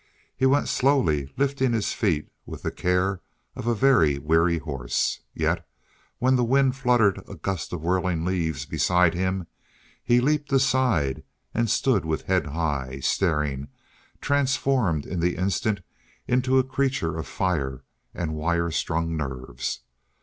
He went slowly, lifting his feet with the care of a very weary horse. Yet, when the wind fluttered a gust of whirling leaves beside him, he leaped aside and stood with high head, staring, transformed in the instant into a creature of fire and wire strung nerves.